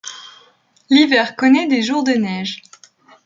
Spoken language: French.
L'hiver connaît des jours de neige.